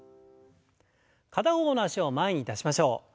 片方の脚を前に出しましょう。